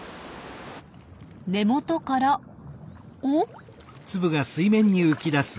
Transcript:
根元からお？